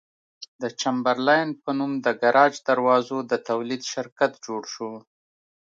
د چمبرلاین په نوم د ګراج دروازو د تولید شرکت جوړ شو.